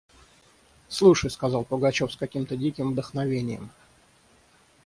– Слушай, – сказал Пугачев с каким-то диким вдохновением.